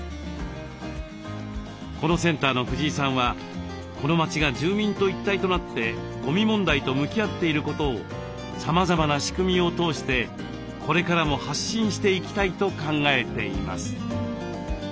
このセンターの藤井さんはこの町が住民と一体となってゴミ問題と向き合っていることをさまざまな仕組みを通してこれからも発信していきたいと考えています。